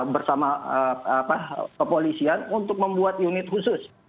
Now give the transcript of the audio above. bersama kepolisian untuk membuat unit khusus